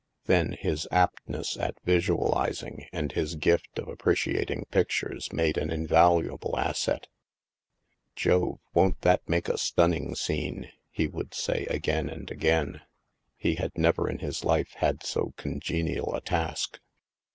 Then, his aptness at visualizing and his gift of appreciating pictures made an invaluable asset. " Jove, won't that make a stunning scene," he would HAVEN 303 say again and again. He had never in his life had so congenial a task.